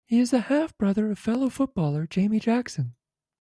He is the half brother of fellow footballer Jamie Jackson.